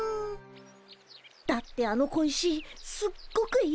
だってあの小石すっごくいいでしょ。